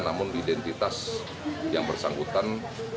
namun identitas yang bersangkutan